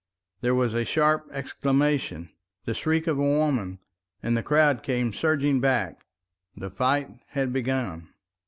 There was a sharp exclamation, the shriek of a woman, and the crowd came surging back. The fight had begun.